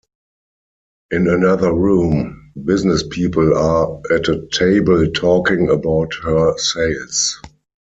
In another room, businesspeople are at a table talking about her sales.